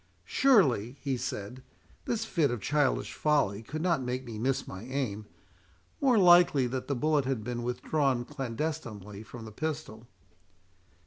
"Surely," he said, "this fit of childish folly could not make me miss my aim—more likely that the bullet had been withdrawn clandestinely from the pistol."